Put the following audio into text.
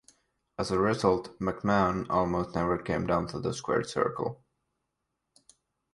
As a result, McMahon almost never came down to the squared circle.